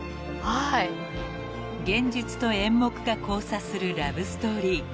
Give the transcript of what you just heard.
［現実と演目が交差するラブストーリー］